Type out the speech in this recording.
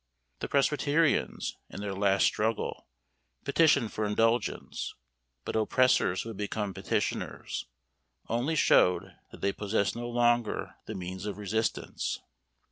The presbyterians, in their last struggle, petitioned for indulgence; but oppressors who had become petitioners, only showed that they possessed no longer the means of resistance.